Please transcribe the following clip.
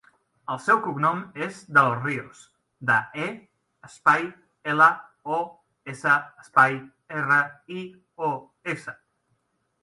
El seu cognom és De Los Rios: de, e, espai, ela, o, essa, espai, erra, i, o, essa.